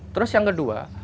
terus yang kedua